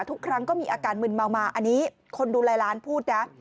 ทุกครั้งก็มีอาการมึนเมามาอันนี้คนดูแลร้านพูดนะ